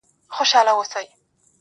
چي بیا به څه ډول حالت وي، د ملنگ.